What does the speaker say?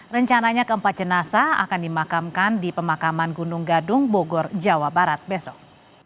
rencananya keempat jenazah akan dimakamkan di pemakaman gunung gadung bogor jawa barat besok